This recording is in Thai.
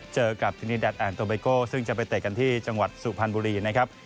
เจอกับทินีแดดแอนโตเบโกซึ่งจะไปเตะกันที่จังหวัดสุพรรณบุรีนะครับ